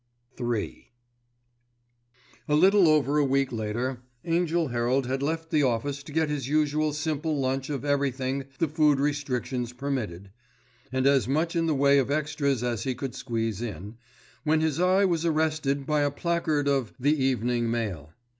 III A little over a week later, Angell Herald had left the office to get his usual simple lunch of everything the food restrictions permitted, and as much in the way of extras as he could squeeze in, when his eye was arrested by a placard of The Evening Mail.